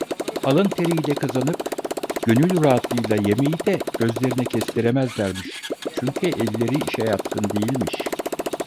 Alın teriyle kazanıp gönül rahatlığıyla yemeyi de gözlerine kestiremezlermiş, çünkü elleri işe yatkın değilmiş.